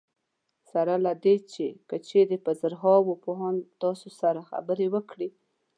سره له دې که چېرې په زرهاوو پوهان تاسو سره خبرې وکړي.